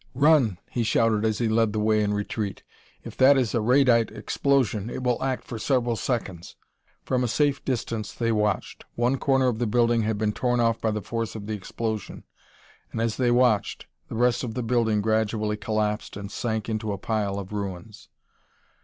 "Run!" he shouted as he led the way in retreat. "If that is a radite explosion it will act for several seconds!" From a safe distance they watched. One corner of the building had been torn off by the force of the explosion, and as they watched the rest of the building gradually collapsed and sank into a pile of ruins.